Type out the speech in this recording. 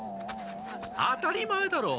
当たり前だろう。